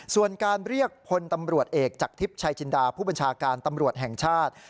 ส่วนการเรียกพลตำรวจเอกจากทิพย์ชายจินดาผู้บัญชาการตำรวจแห่งชาติ